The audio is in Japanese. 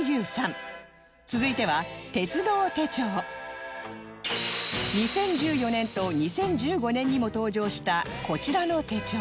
続いては２０１４年と２０１５年にも登場したこちらの手帳